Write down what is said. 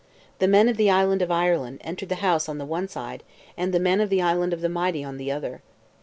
The men of the island of Ireland entered the house on the one side, and the men of the Island of the Mighty on the other.